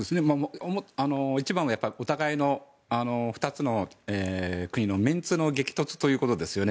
一番はお互いの２つの国のメンツの激突ということですね。